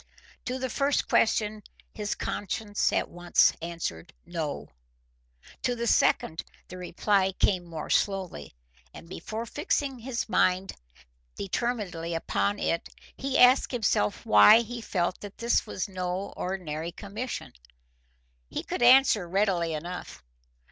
To the first question his conscience at once answered no; to the second the reply came more slowly, and before fixing his mind determinedly upon it he asked himself why he felt that this was no ordinary commission. He could answer readily enough.